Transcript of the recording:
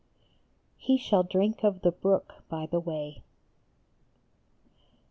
"HE SHALL DRINK OF THE BROOK BY THE WAY."